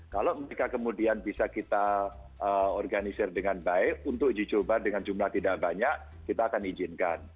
kalau mereka kemudian bisa kita organisir dengan baik untuk uji coba dengan jumlah tidak banyak kita akan izinkan